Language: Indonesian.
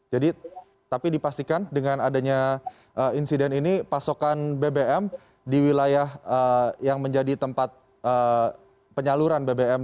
jadi tapi dipastikan dengan adanya insiden ini pasokan bbm di wilayah yang menjadi tempat penyaluran bbm